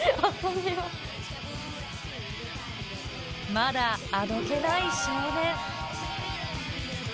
まだあどけない少年。